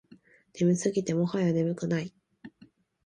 眠すぎてもはや眠くない